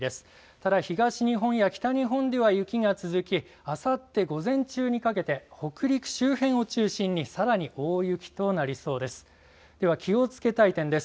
ただ東日本や北日本では雪が続きあさって午前中にかけて北陸周辺を中心にさらに大雪となりそうです。